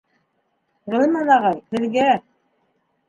Ғилман ағай, һеҙгә!